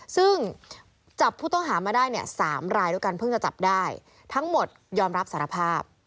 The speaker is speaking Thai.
ซึ่งจับผู้ต้องหามาได้เนี่ย๓รายด้วยกันเพิ่งจะจับได้ทั้งหมดยอมรับสารภาพ